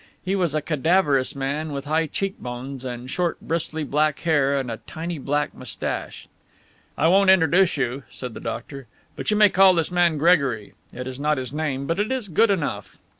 He was a cadaverous man with high cheekbones and short, bristly black hair and a tiny black moustache. "I won't introduce you," said the doctor, "but you may call this man Gregory. It is not his name, but it is good enough."